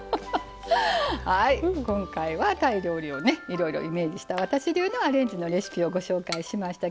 今回はタイ料理をいろいろイメージした私流のアレンジのレシピをご紹介しましたけれども。